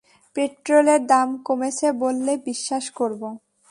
পেট্রোলের দাম কমেছে বললে বিশ্বাস করব।